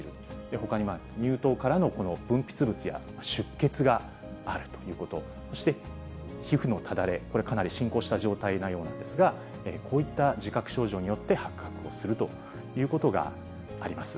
ほかに乳頭からの分泌物や出血があるということ、そして皮膚のただれ、これ、かなり進行した状態なようなんですが、こういった自覚症状によって発覚をするということがあります。